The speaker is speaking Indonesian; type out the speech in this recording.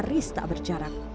nyaris tak berjarak